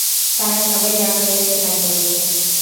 তারা সবাই যা করে সে তাই করেছে।